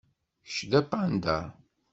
Kečč d apanda.